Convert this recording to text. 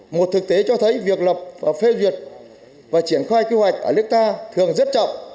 một thực tế cho thấy việc lập và phê duyệt và triển khai quy hoạch ở nước ta thường rất chậm